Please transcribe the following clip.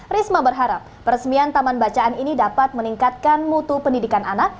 risma berharap peresmian taman bacaan ini dapat meningkatkan mutu pendidikan anak